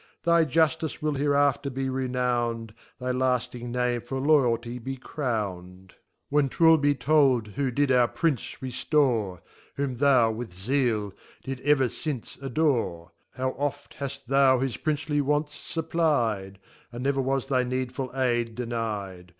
Thy Juftice will hereafter be renownd, Thy Iafting name (or Loyalty be crown d. When 'twill be told who did our Prince reftore, Whom thou with zeal, didft ever fincc adore. How oft haft thou his Princely wants fupply'd } And never was thy needful aid deny'd.